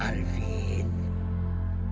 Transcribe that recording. gantian sekarang dia diculik